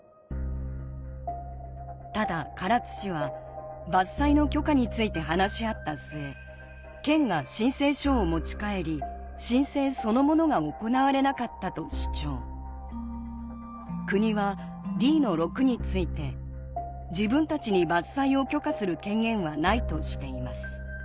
ただ唐津市は伐採の許可について話し合った末県が申請書を持ち帰り申請そのものが行われなかったと主張国は「Ｄ−６」について自分たちに伐採を許可する権限はないとしています